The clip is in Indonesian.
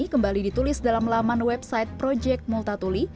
kembali ditulis dalam laman website project multatuli